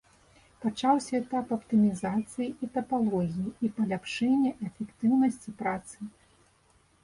Пачаўся этап аптымізацыі тапалогіі і паляпшэння эфектыўнасці працы.